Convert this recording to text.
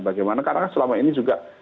bagaimana karena kan selama ini juga